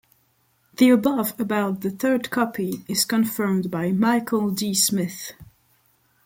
The above about the third copy is confirmed by Michael D. Smith.